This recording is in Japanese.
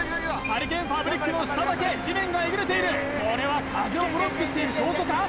ハリケーンファブリックの下だけ地面がえぐれているこれは風をブロックしている証拠か？